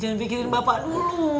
jangan bikin bapak dulu